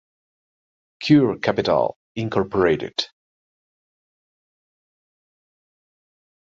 Coeur Capital, Inc.